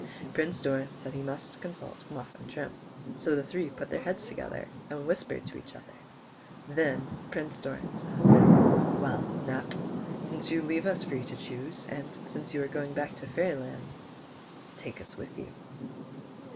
Prince Doran said he must consult Muff and Trim, so the three put their heads together and whispered to each other; then Prince Doran said, "Well, Nap, since you leave us free to choose, and since you are going back to Fairyland, take us with you."